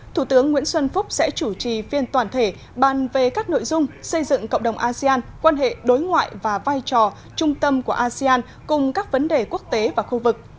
thủ tướng nguyễn xuân phúc sẽ chủ trì phiên toàn thể bàn về các nội dung xây dựng cộng đồng asean quan hệ đối ngoại và vai trò trung tâm của asean cùng các vấn đề quốc tế và khu vực